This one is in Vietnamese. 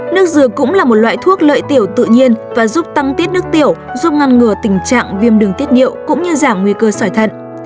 nước dừa cũng là một loại thuốc lợi tiểu tự nhiên và giúp tăng tiết nước tiểu giúp ngăn ngừa tình trạng viêm đường tiết niệu cũng như giảm nguy cơ sỏi thận